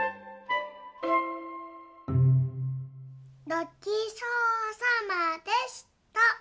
ごちそうさまでした。